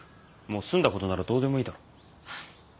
もう済んだ事ならどうでもいいだろう。はあ。